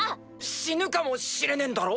死ぬかもしれねぇんだろ？